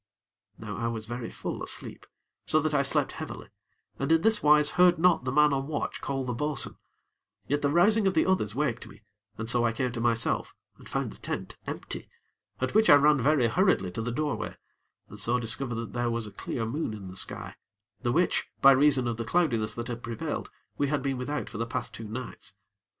Now I was very full of sleep, so that I slept heavily, and in this wise heard not the man on watch call the bo'sun; yet the rousing of the others waked me, and so I came to myself and found the tent empty, at which I ran very hurriedly to the doorway, and so discovered that there was a clear moon in the sky, the which, by reason of the cloudiness that had prevailed, we had been without for the past two nights.